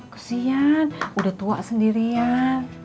kesian udah tua sendirian